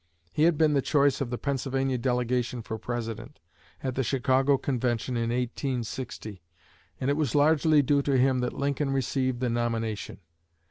He had been the choice of the Pennsylvania delegation for President, at the Chicago Convention in 1860, and it was largely due to him that Lincoln received the nomination.